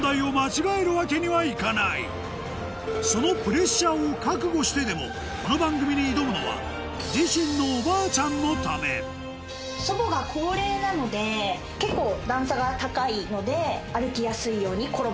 そのプレッシャーを覚悟してでもこの番組に挑むのは自身の祖母が高齢なので結構段差が高いので。